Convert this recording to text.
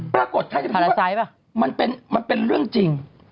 ปรากฏมันเป็นเรื่องจริง